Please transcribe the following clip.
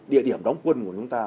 địa điểm đóng quân của chúng ta